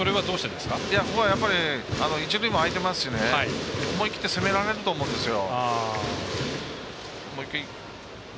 ここは一塁も空いてますし思い切って攻められると思うんですよ。